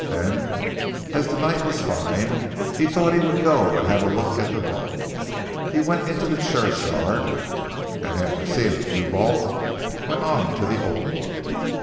Then as the night was fine, he thought he would go and have a look at the vault. He went into the churchyard and after seeing the new vault went on to the old one.